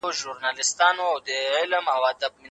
انسان باید د ستونزو پر وړاندې مقاومت وکړي.